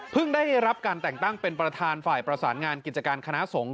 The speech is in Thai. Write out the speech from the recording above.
ได้รับการแต่งตั้งเป็นประธานฝ่ายประสานงานกิจการคณะสงฆ